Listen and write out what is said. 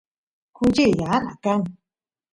kuchi yana kan